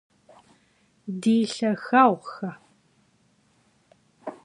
Di lhaxeğuxe!